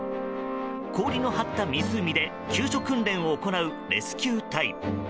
氷の張った湖で救助訓練を行うレスキュー隊。